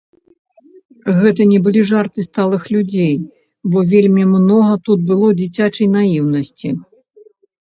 Гэта не былі жарты сталых людзей, бо вельмі многа тут было дзіцячай наіўнасці.